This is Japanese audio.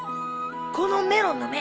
このメロンの芽